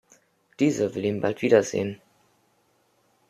Diese will ihn bald wiedersehen.